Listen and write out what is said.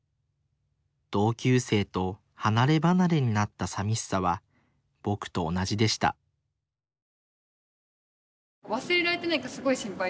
同級生と離れ離れになったさみしさはぼくと同じでした忘れられてないかすごい心配で。